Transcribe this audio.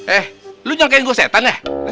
eh lo nyangka yang gue setan ya